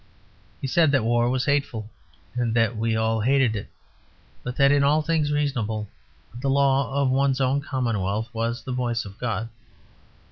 He said that war was hateful, and that we all hated it; but that "in all things reasonable" the law of one's own commonwealth was the voice of God.